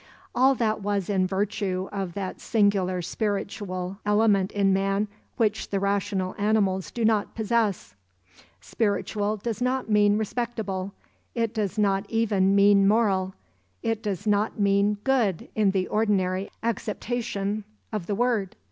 All that was in virtue of that singular spiritual element in man which the rational animals do not possess. Spiritual does not mean respectable, it does not even mean moral, it does not mean "good" in the ordinary acceptation of the word.